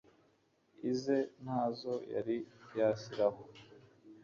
ize ntazo yari yashyiraho